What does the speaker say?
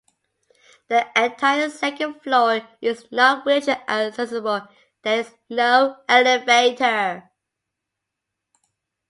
The entire second floor is not wheelchair accessible; there is no elevator.